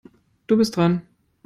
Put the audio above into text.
Du bist dran.